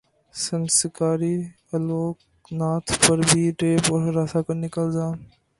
سنسکاری الوک ناتھ پر بھی ریپ اور ہراساں کرنے کا الزام